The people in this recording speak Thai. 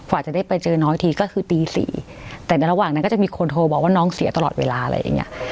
จะได้ไปเจอน้องอีกทีก็คือตีสี่แต่ในระหว่างนั้นก็จะมีคนโทรบอกว่าน้องเสียตลอดเวลาอะไรอย่างเงี้ย